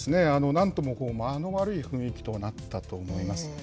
なんとも間の悪い雰囲気となったと思います。